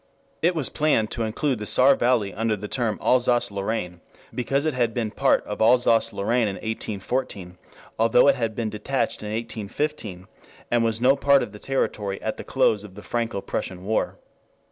It was planned to include the Saar Valley under the term "Alsace Lorraine" because it had been part of Alsace Lorraine in 1814, though it had been detached in 1815, and was no part of the territory at the close of the Franco Prussian war.